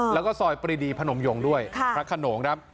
แล้วก็ซอยปรีดีพนมยงด้วยพระขนงครับ